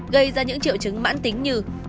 gây ra những triệu chứng mãn tính như